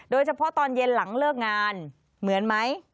โดยเฉพาะตอนเย็นหลังเลิกงานเหมือนไหม